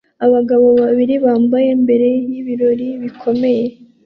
Abagabo babiri bambaye mbere y'ibirori bikomeye